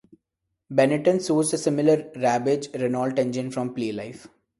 Benetton sourced a similar rebadged Renault engine from Playlife.